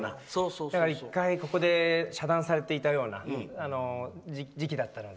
だから１回ここで遮断されていたような時期だったので。